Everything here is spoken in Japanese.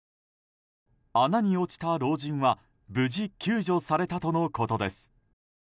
穴に落ちた老人は無事、救助されたとのことです。